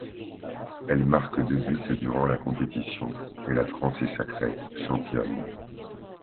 Elle marque deux buts durant la compétition et la France est sacrée championne.